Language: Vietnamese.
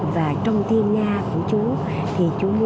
và trong tiên nga của chú